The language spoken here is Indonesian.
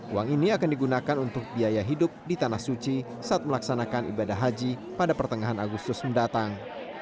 uang ini akan digunakan untuk biaya hidup di tanah suci saat melaksanakan ibadah haji pada pertengahan agustus mendatang